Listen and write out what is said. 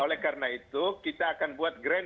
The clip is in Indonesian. oleh karena itu kita akan buat grand